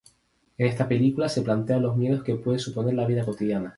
En esta película se plantea los miedos que puede suponer la vida cotidiana.